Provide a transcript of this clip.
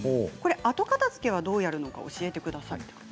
後片づけはどうやるのか教えてください。